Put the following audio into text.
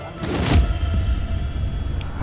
nyayang mama sarah